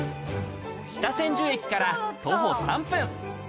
北千住駅から徒歩３分。